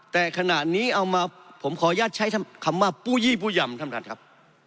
แต่ขณะนี้เอามาผมขออนุญาตใช้คำว่าปู้ยี่ผู้ยำท่านประธานครับ